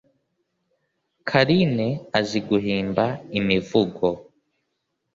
karine azi guhimba imivugo